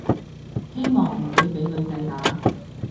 希望唔會畀女仔打